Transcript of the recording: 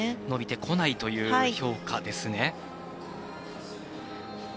伸びてこないという評価ですね。